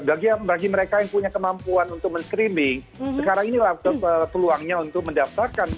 bagi mereka yang punya kemampuan untuk men streaming sekarang inilah peluangnya untuk mendaftarkan